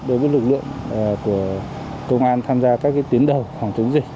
đối với lực lượng của công an tham gia các tuyến đầu phòng chống dịch